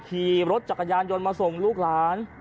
ขี่รถจักรยานยนต์มาส่งลูกหลาน